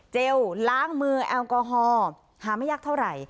ล้างมือแอลกอฮอล์หาไม่ยากเท่าไหร่